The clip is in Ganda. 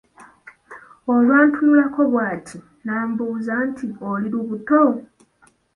Olwantunulako bw'ati n'ambuuza nti, "oli lubuto?"